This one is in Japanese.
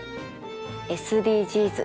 ＳＤＧｓ